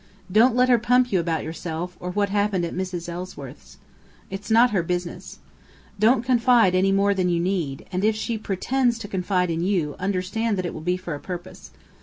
Don't let her pump you about yourself, or what happened at Mrs. Ellsworth's. It's not her business. Don't confide any more than you need, and if she pretends to confide in you understand that it will be for a purpose.